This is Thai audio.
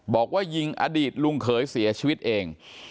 บอกว่ายิงอดีตลุงเขยเสียชีวิตเอง